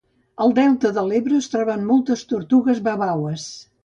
Al delta de l'Ebre es troben moltes tortugues babaues.